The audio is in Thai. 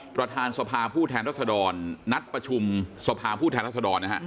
ประธานสภาผู้แทนรัศดรนัดประชุมสภาผู้แทนรัศดรนะฮะ